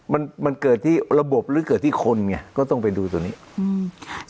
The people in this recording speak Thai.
มันมันเกิดที่ระบบหรือเกิดที่คนไงก็ต้องไปดูตัวนี้อืม